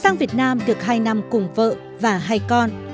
sang việt nam được hai năm cùng vợ và hai con